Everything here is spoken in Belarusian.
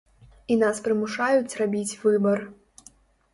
І нас прымушаюць рабіць выбар.